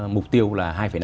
mục tiêu là hai năm